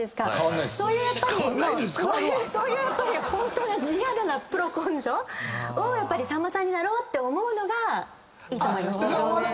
そういうやっぱりホントにリアルなプロ根性をさんまさんになろうと思うのがいいと思いますね。